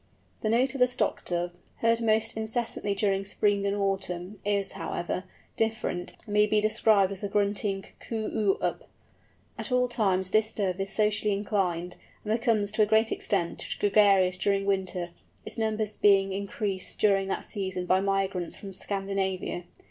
The note of the Stock Dove, heard most incessantly during spring and summer is, however, different, and may be described as a grunting coo oo up. At all times this Dove is socially inclined, and becomes, to a great extent, gregarious during winter; its numbers being increased during that season by migrants from Scandinavia.